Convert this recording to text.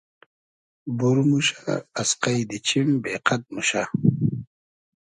بور موشۂ از قݷدی چیم بې قئد موشۂ